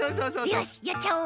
よしやっちゃおう。